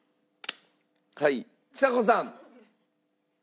はいちさ子さん。